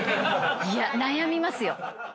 いや悩みますよ。